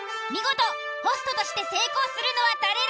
見事ホストとして成功するのは誰？